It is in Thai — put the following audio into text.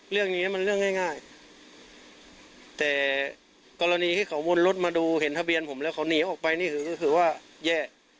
เรื่องนี้มันเรื่องง่ายแต่กรณีที่เขาวนรถมาดูเห็นทะเบียนผมแล้วเขาหนีออกไปนี่คือก็คือว่าแย่